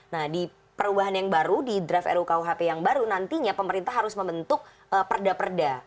nah di perubahan yang baru di draft rukuhp yang baru nantinya pemerintah harus membentuk perda perda